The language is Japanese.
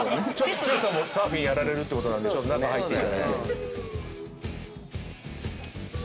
剛さんもサーフィンやられるんでちょっと中入っていただいて。